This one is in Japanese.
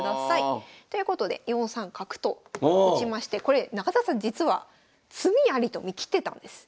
はあ！ということで４三角と打ちましてこれ中澤さん実は詰みありと見切ってたんです。